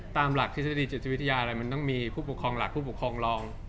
ตามหลักทฤษฎีจิตวิทยาอะไรมันต้องมีผู้ปกครองหลักผู้ปกครองลอง